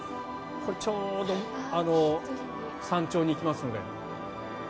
ちょうど山頂に行きますので。